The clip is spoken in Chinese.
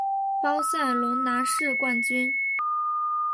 巴塞隆拿是冠军。